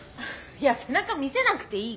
いや背中見せなくていいから。